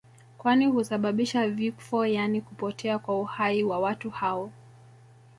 kwani husababisha vifo yaani kupotea kwa uhai wa watu hao